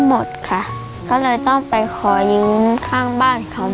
หนูอยากให้น้องเวทกับน้องแน่นามีร่างกายแข็งแรง